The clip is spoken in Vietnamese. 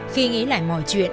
khi nghĩ lại mọi chuyện